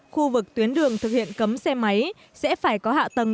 khu vực tuyến đường thực hiện cấm xe máy sẽ phải có hạ tầng